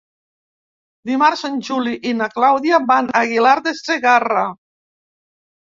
Dimarts en Juli i na Clàudia van a Aguilar de Segarra.